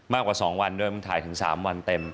มากกว่า๒วันด้วยมันถ่ายถึง๓วันเต็ม